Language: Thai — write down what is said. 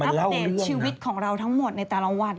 มันคือการอัพเดทชีวิตของเราทั้งหมดในแต่ละวัน